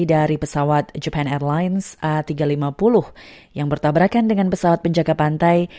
dari pesawat japan airlines a tiga ratus lima puluh yang bertabrakan dengan pesawat penjaga pantai